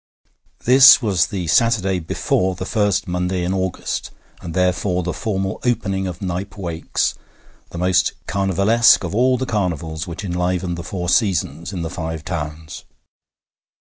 This was the Saturday before the first Monday in August, and therefore the formal opening of Knype Wakes, the most carnivalesque of all the carnivals which enliven the four seasons in the Five Towns.